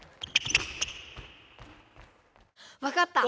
分かった。